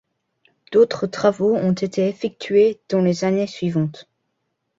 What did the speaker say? D'autres travaux ont été effectués dans les années suivantes.